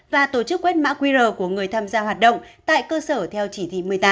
và tổ chức quét mã qr của người tham gia hoạt động tại cơ sở theo chỉ thị một mươi tám